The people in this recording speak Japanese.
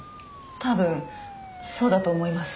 たぶんそうだと思います